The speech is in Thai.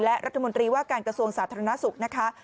และรัฐมนตรีว่าการกระทรวงสาธารณสุขนะคะ